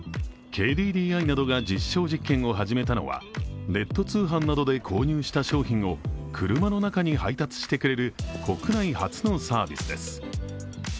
ＫＤＤＩなどが実証実験を始めたのはネット通販などで購入した商品を車の中に配達してくれる国内初のサービスです。